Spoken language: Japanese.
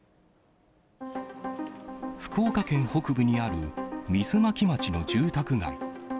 福岡県北部にある水巻町の住宅街。